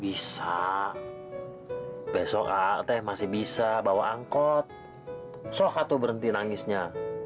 bisa besok ah teh masih bisa bawa angkot soh atau berhenti nangisnya